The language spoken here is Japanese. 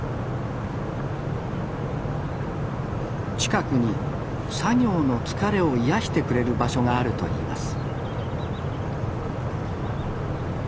近くに作業の疲れを癒やしてくれる場所があると言います